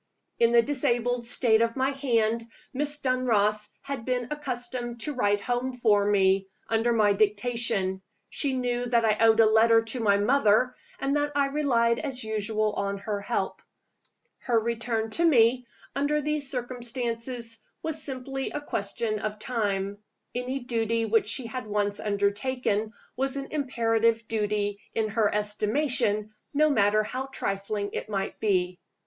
In the disabled state of my hand, Miss Dunross had been accustomed to write home for me, under my dictation: she knew that I owed a letter to my mother, and that I relied as usual on her help. Her return to me, under these circumstances, was simply a question of time: any duty which she had once undertaken was an imperative duty in her estimation, no matter how trifling it might be.